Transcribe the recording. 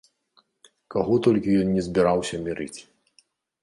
Каго толькі ён ні збіраўся мірыць.